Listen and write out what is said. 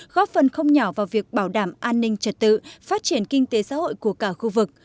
góp phần không nhỏ vào việc bảo đảm an ninh trật tự phát triển kinh tế xã hội của cả khu vực